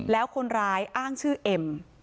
แล้วคนร้ายอ้างชื่อเอ็ม